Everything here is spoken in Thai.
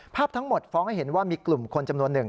ภาพทั้งหมดฟ้องให้เห็นว่ามีกลุ่มคนจำนวนหนึ่ง